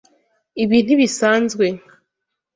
Ibi ntibisanzwe.